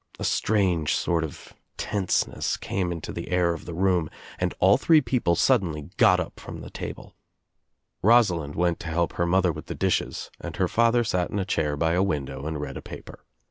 A strange sort of tenseness came into the air of the room and all three people suddenly got up from the table. Rosalind went to help her mother with the disJiesi and her father sat in a chair by a window and read & paper.